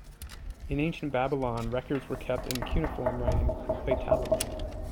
In ancient Babylon records were kept in cuneiform writing on clay tablets.